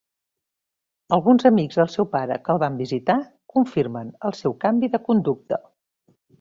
Alguns amics del seu pare que el van visitar, confirmen el seu canvi de conducta.